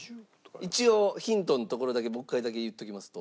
一応ヒントのところだけもう一回だけ言っておきますと。